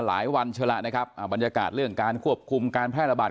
วันเฉละนะครับอ่าบรรยากาศเรื่องการควบคุมการแพร่ระบาด